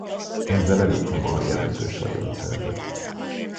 Ezzel elég hamar jelentős vagyont szerzett.